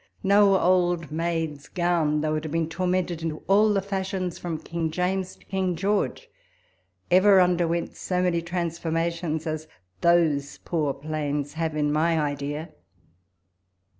Xo old maid's gown, though it had been tormented into all the fashions from King James to King George, ever underwent so many transformations as those poor plains have in my idea.